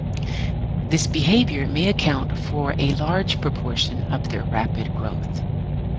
This behavior may account for a large proportion of their rapid growth.